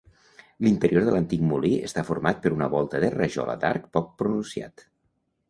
L'interior de l'antic molí està format per una volta de rajola d'arc poc pronunciat.